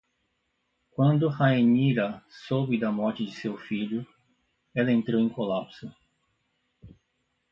Quando Rhaenyra soube da morte de seu filho, ela entrou em colapso.